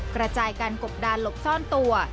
กระจายการกบดานหลบซ่อนตัว